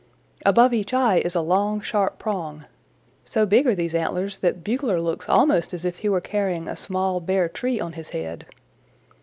Above each eye is a long sharp prong. So big are these antlers that Bugler looks almost as if he were carrying a small, bare tree on his head.